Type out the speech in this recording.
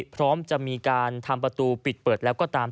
พร้อมจะมีการทำประตูปิดเปิดแล้วก็ตาม